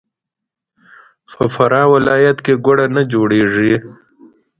په فراه ولایت کې ګوړه نه جوړیږي.